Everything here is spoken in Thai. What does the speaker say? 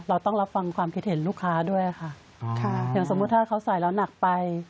เราต้องรับฟังความคิดเห็นลูกค้าด้วยค่ะอย่างสมมุติถ้าเขาใส่แล้วหนักไป